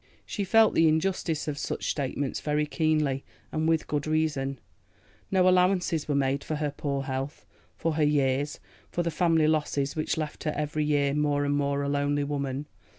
She felt the injustice of such statements very keenly and with good reason. No allowances were made for her poor health, for her years, for the family losses which left her every year more and more a lonely woman.